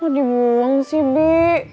gak dibuang sih bi